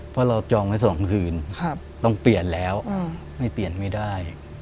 เพราะเราจองไว้๒คืนต้องเปลี่ยนแล้วไม่เปลี่ยนไม่ได้